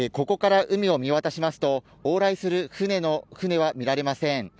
ここから海を見渡しますと、往来するは見られません。